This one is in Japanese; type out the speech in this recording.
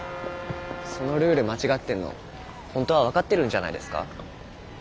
そのルール間違ってるの本当は分かってるんじゃないですか？